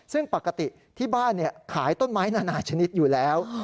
ซึ่งปกติที่บ้านขายต้นไม้นานาชนิดอยู่แล้ว